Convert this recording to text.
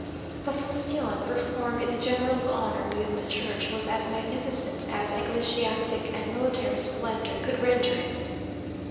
The función performed in the general's honour, within the church, was as magnificent as ecclesiastic and military splendour could render it.